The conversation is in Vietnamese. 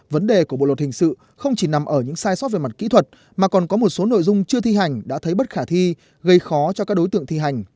vấn đề của bộ luật hình sự không chỉ nằm ở những sai sót về mặt kỹ thuật mà còn có một số nội dung chưa thi hành đã thấy bất khả thi gây khó cho các đối tượng thi hành